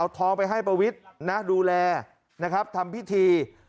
เอาทองไปให้ประวิทย์นะดูแลนะครับทำพิธี